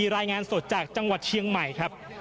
รายงานสดจากจังหวัดเชียงใหม่ครับ